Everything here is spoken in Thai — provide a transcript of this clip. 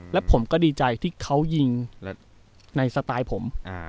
แล้วผมก็ดีใจที่เขายิงในสไตล์ผม